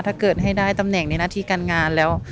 ถ้าเกิดให้ได้ตำแหน่งในหน้าที่การงานแล้ว